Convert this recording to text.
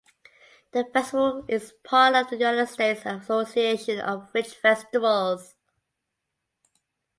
The festival is part of the United States Association of Fringe Festivals.